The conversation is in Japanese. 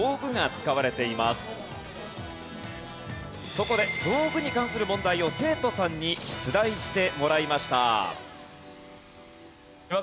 そこで道具に関する問題を生徒さんに出題してもらいました。